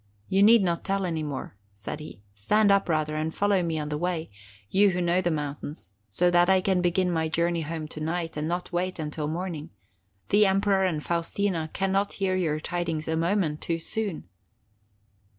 "You need not tell any more," said he. "Stand up rather and follow me on the way, you who know the mountains, so that I can begin my home journey to night, and not wait until morning. The Emperor and Faustina can not hear your tidings a moment too soon."